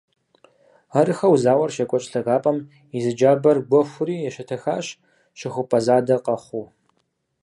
Арыххэу зауэр щекӏуэкӏ лъагапӏэм и зы джабэр гуэхури ещэтэхащ, щыхупӏэ задэ къэхъуу.